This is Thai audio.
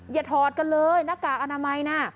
อย่าถอดกันเลยนักกาอนามัยนะ